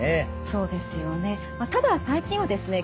そうですよね。